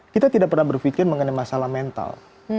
kita tidak pernah berpikir mengenai masalah mental